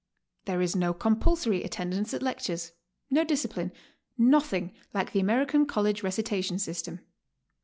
There is no compulsory attendance at lectures, no discipline, nothing like the Amer*ican college recitation system.